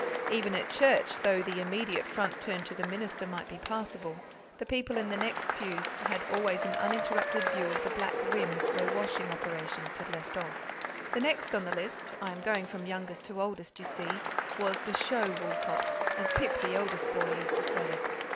Even at church, though the immediate front turned to the minister might be passable, the people in the next pew had always an uninterrupted view of the black rim where washing operations had left off. The next on the list I am going from youngest to oldest, you see was the "show" Woolcot, as Pip, the eldest boy, used to say.